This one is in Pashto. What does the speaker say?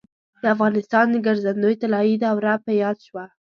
د افغانستان د ګرځندوی طلایي دوره په یاد شوه.